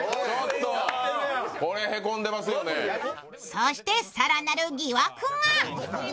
そして、更なる疑惑が。